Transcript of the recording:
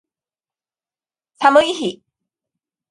寒い日